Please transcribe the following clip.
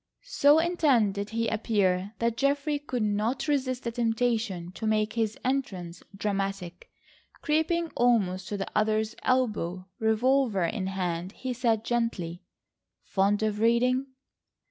So intent did he appear that Geoffrey could not resist the temptation to make his entrance dramatic. Creeping almost to the other's elbow, revolver in hand, he said gently: "Fond of reading?"